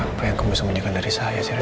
apa yang kamu bisa menyukai dari saya sih ren